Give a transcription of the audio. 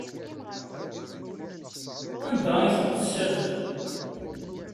Anda ay tent-tessardem?